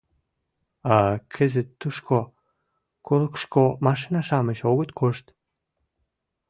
— А кызыт тушко, курыкышко, машина-шамыч огыт кошт.